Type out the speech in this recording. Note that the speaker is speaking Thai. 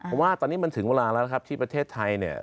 ผมว่าตอนนี้มันถึงเวลาแล้วนะครับที่ประเทศไทย